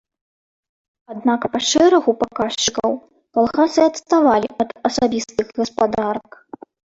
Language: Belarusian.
Аднак па шэрагу паказчыкаў калгасы адставалі ад асабістых гаспадарак.